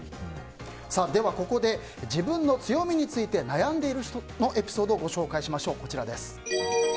ではここで自分の強みについて悩んでいる人のエピソードをご紹介します。